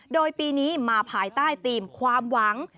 โดยปีนี้มาภายใต้ธีมความหวัง